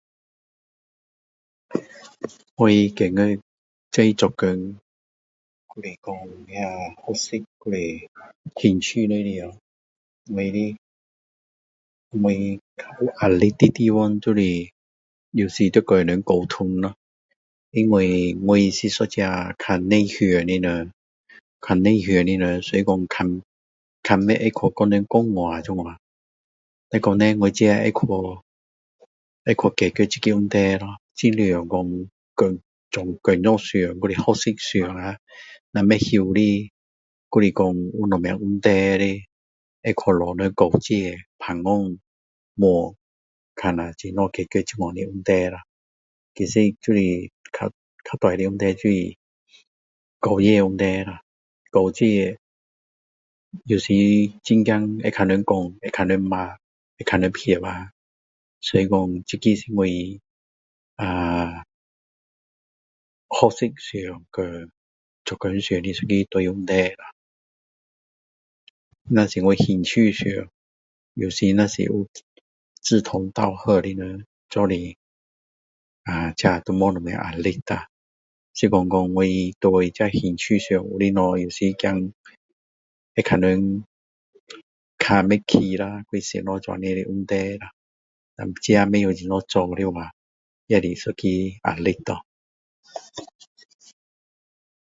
我觉得不管做工还是学习还是兴趣里面我的我有较压力的地方就是有时需要跟人沟通咯因为我是一个较内向的人较内向的人所以说较较不会去跟人说话这样只是说自己会去会去解决这个问题咯尽量说做工作上还是学习上啊若不会的还是说有什么问题的会去找人说这谈天问看下怎样解决这样的问题咯其实就是较大的问题就是交际的问题咯交际有时很怕会被人讲会别人骂会被人骗去啊所以说这个是我啊学习上和做工上一个大的问题咯若是我兴趣上有时若是有志同道合的人一起啊这就没有什么压力啦是说说我对这有些东西有兴趣后是怕会被人看不起咯还是什么问题咯热后自己不懂什么问题怎么做的话也是一个压力咯